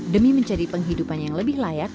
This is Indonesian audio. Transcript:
demi mencari penghidupan yang lebih layak